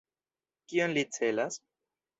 Kion li celas?